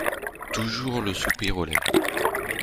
Toujours le soupir aux lèvres !